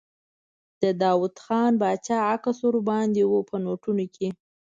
د داووخان باچا عکس ور باندې و په نوټونو کې.